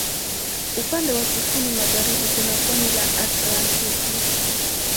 Upande wa kusini magharibi kuna pwani la Atlantiki.